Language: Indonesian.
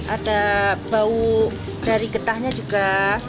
ada bau dari getahnya juga